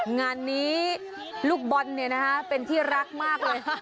งานนี้ลูกบอลเป็นที่รักมากเลย